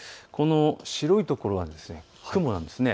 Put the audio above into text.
白い所は雲なんです。